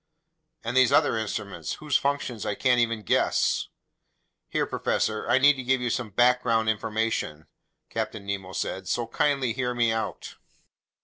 "And these other instruments, whose functions I can't even guess?" "Here, professor, I need to give you some background information," Captain Nemo said. "So kindly hear me out."